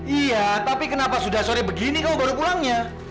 iya tapi kenapa sudah sore begini kau baru pulangnya